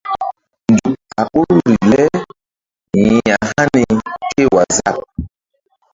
Nzuk a ɓoruri le ya̧hani kéwaazap.